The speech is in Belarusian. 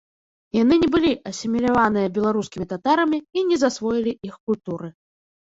Яны не былі асіміляваныя беларускімі татарамі і не засвоілі іх культуры.